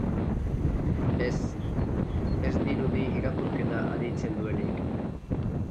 Ez, ez dirudi irakurketa aditzen duenik.